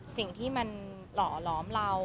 สิ่งที่มันหล่อหลอมเรา